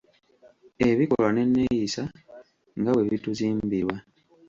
Ebikolwa n’enneeyisa nga bwe bituzimbirwa